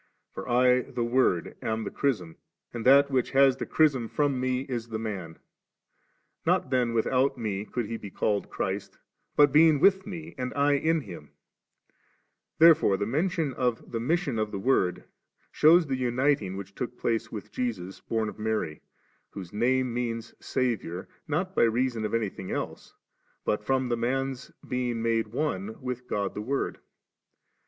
For I the Word am the chrism, and that which has the chrism from Me is the Man*; not then without Me could He be called Christ, butbeingwithMeandIinHinL There fore tiie mention of the mission of the Word shews tiie uniting which took place with Jesus, bom of Mary, Wbose Name means Saviour, not by reason of anything else, but from the Man's being made one with God the Word.